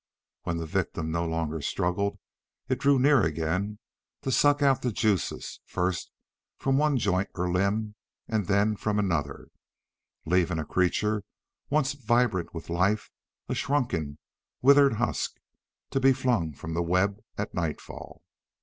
When the victim no longer struggled, it drew near again to suck out the juices first from one joint or limb and then from another, leaving a creature once vibrant with life a shrunken, withered husk, to be flung from the web at nightfall.